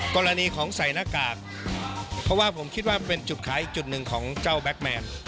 กรณีของใส่หน้ากากเพราะว่าผมคิดว่าเป็นจุดขายอีกจุดหนึ่งของเจ้าแบ็คแมน